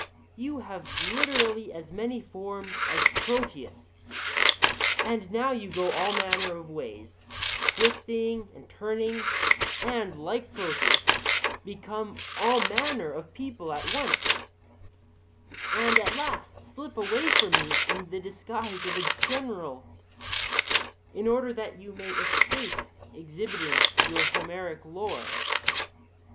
You have literally as many forms as Proteus; and now you go all manner of ways, twisting and turning, and, like Proteus, become all manner of people at once, and at last slip away from me in the disguise of a general, in order that you may escape exhibiting your Homeric lore.